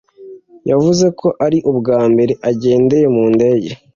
yavuze ko ari ubwa mbere agendeye mu ndege